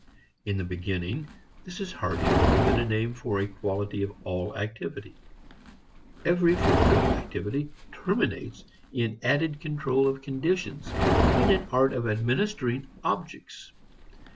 In the beginning, this is hardly more than a name for a quality of all activity. Every fulfilled activity terminates in added control of conditions, in an art of administering objects.